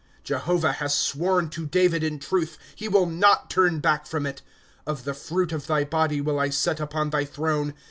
Jehovah has sworn to David in truth, He will not turn back from it : Of tho fruit of ihy body will I set upon thy throne.